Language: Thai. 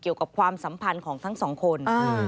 เกี่ยวกับความสัมพันธ์ของทั้งสองคน